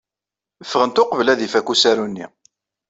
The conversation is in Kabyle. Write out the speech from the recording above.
Ffɣent uqbel ad ifak usaru-nni.